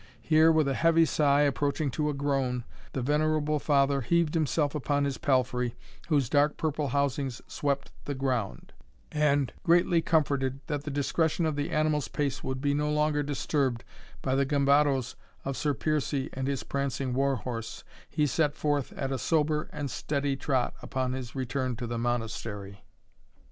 Here, with a heavy sigh, approaching to a groan, the venerable father heaved himself upon his palfrey, whose dark purple housings swept the ground; and, greatly comforted that the discretion of the animal's pace would be no longer disturbed by the gambadoes of Sir Piercie and his prancing war horse, he set forth at a sober and steady trot upon his return to the Monastery.